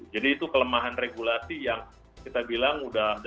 jadi itu kelemahan regulasi yang kita lakukan